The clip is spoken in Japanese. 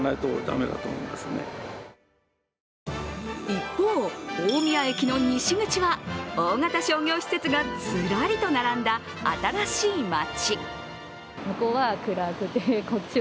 一方、大宮駅の西口は大型商業施設がずらりと並んだ新しい街。